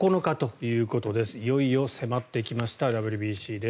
いよいよ迫ってきましたＷＢＣです。